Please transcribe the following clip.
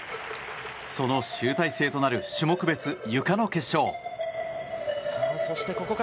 その集大成となる種目別ゆかの決勝。